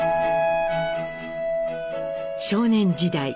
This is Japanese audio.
少年時代